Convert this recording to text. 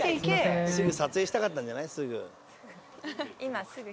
すぐ撮影したかったんじゃない？